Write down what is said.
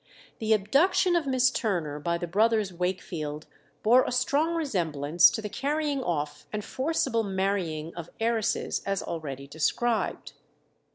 The abduction of Miss Turner by the brothers Wakefield bore a strong resemblance to the carrying off and forcible marrying of heiresses as already described.